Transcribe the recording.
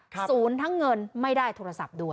ศูนย์ทั้งเงินไม่ได้โทรศัพท์ด้วย